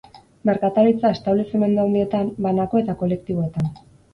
Merkataritza-establezimendu handietan, banako eta kolektiboetan.